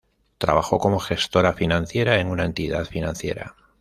Trabajó como gestora financiera en una entidad financiera.